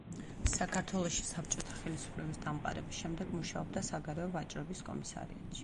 საქართველოში საბჭოთა ხელისუფლების დამყარების შემდეგ მუშაობდა საგარეო ვაჭრობის კომისარიატში.